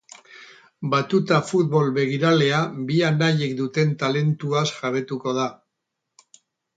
Batuta futbol begiralea bi anaiek duten talentuaz jabetuko da.